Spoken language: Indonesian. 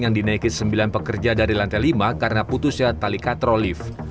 yang dinaiki sembilan pekerja dari lantai lima karena putusnya tali katrolift